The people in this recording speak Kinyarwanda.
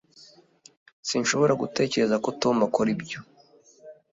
Sinshobora gutekereza ko Tom akora ibyo